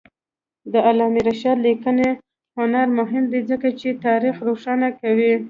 د علامه رشاد لیکنی هنر مهم دی ځکه چې تاریخ روښانه کوي.